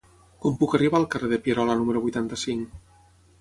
Com puc arribar al carrer de Pierola número vuitanta-cinc?